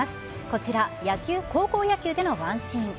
こちら高校野球でのワンシーン。